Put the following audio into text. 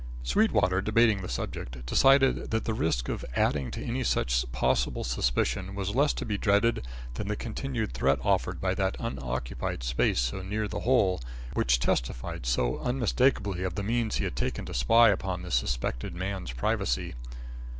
Sweetwater, debating the subject, decided that the risk of adding to any such possible suspicion was less to be dreaded than the continued threat offered by that unoccupied space so near the hole which testified so unmistakably of the means he had taken to spy upon this suspected man's privacy.